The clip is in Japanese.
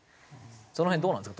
その辺どうなんですか？